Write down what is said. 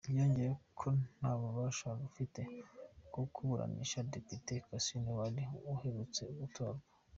Yongeyeho ko nta n'ububasha rufite bwo kuburanisha Depite Kassiano Wadri uherutse gutorwa.